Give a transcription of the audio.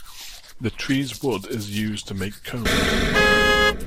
The tree's wood is used to make combs.